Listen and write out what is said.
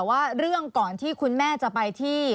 ว่าเรื่องก่อนที่คุณแม่จะไปที่